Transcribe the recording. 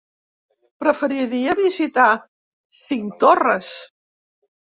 Preferiria visitar Cinctorres.